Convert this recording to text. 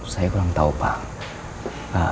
saya kurang tahu pak